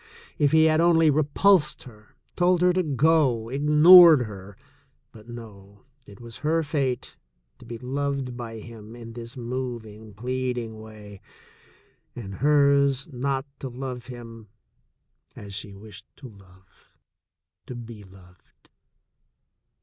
If he had only repulsed her — told her to go — ignored her — ^but no; it was her fate to be loved by him in this moving, pleading way, and hers not to love him as she wished 156 THE SECOND CHOICE to love — to be loved.